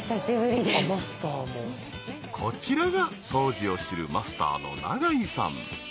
［こちらが当時を知るマスターの永井さん］